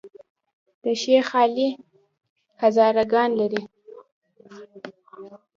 د شیخ علي هزاره ګان لري